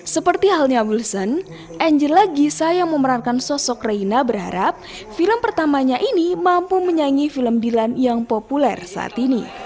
seperti halnya wilson angela gisa yang memerankan sosok raina berharap film pertamanya ini mampu menyanyi film dilan yang populer saat ini